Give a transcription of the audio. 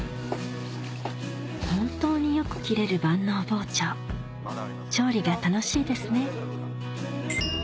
本当によく切れる万能包丁調理が楽しいですね